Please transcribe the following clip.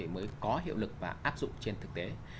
mới có hiệu lực và áp dụng trên thực tế